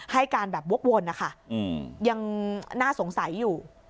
ให้การบวกวนยังน่าสงสัยอยู่